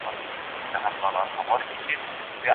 چي هر څوک د ځان په غم دي